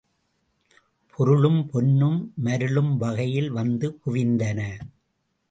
பொருளும் பொன்னும் மருளும் வகையில் வந்து குவிந்தன.